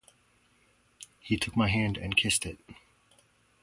He took my hand and kissed it.